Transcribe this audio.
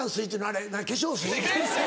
あれ何や化粧水？